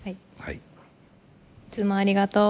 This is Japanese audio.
「いつもありがとう」。